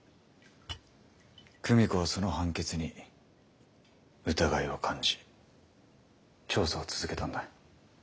久美子はその判決に疑いを感じ調査を続けたんだ。